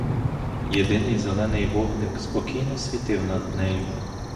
Єдиний зелений вогник спокійно світив над нею.